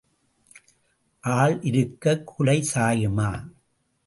ஆள் இருக்கக் குலை சாயுமா?